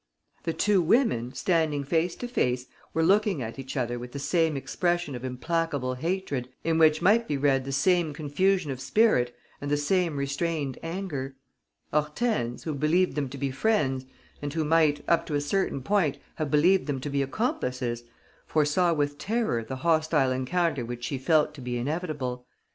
The two women, standing face to face, were looking at each other with the same expression of implacable hatred, in which might be read the same confusion of spirit and the same restrained anger. Hortense, who believed them to be friends and who might, up to a certain point, have believed them to be accomplices, foresaw with terror the hostile encounter which she felt to be inevitable.